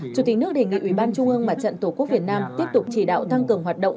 chủ tịch nước đề nghị ủy ban trung ương mặt trận tổ quốc việt nam tiếp tục chỉ đạo tăng cường hoạt động